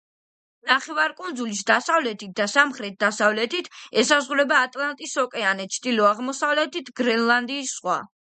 ნახევარკუნძულის დასავლეთით და სამხრეთ-დასავლეთით ესაზღვრება ატლანტის ოკეანე, ჩრდილო-აღმოსავლეთით გრენლანდიის ზღვა.